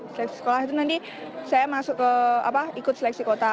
seleksi sekolah itu nanti saya masuk ke ikut seleksi kota